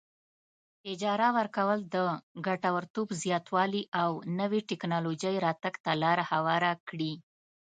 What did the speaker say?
اجاره ورکول د ګټورتوب زیاتوالي او نوې ټیکنالوجۍ راتګ ته لار هواره کړي.